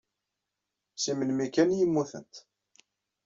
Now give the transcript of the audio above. Seg melmi kan ay mmutent.